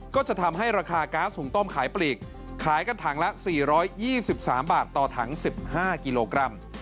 ก็จะทำให้ราคาก๊าซหุ่งต้มขายปลีกขายกันถังละ๔๒๓บาทต่อถัง๑๕กิโลกรัม